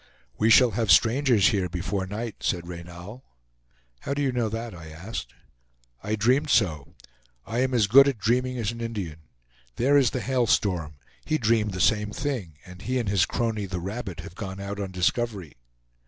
"We shall have strangers here before night," said Reynal. "How do you know that?" I asked. "I dreamed so. I am as good at dreaming as an Indian. There is the Hail Storm; he dreamed the same thing, and he and his crony, the Rabbit, have gone out on discovery."